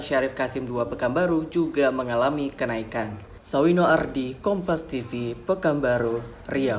syarif kasim dua pekanbaru juga mengalami kenaikan sawino ardi kompas tv pekanbaru riau